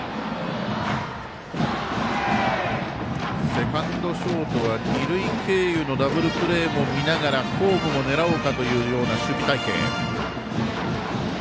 セカンド、ショートは二塁経由のダブルプレーも見ながらホームも狙おうかという守備隊形。